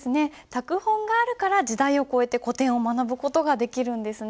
拓本があるから時代を超えて古典を学ぶ事ができるんですね。